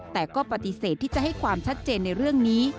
แต่ก็ปฏิเสธที่จะให้ความชัดเจนในเรื่องนี้